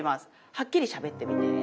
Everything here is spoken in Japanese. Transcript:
はっきりしゃべってみて。